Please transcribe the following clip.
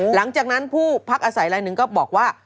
หลังจากนั้นผู้พักอาศัยลายหนึ่งก็บอกว่า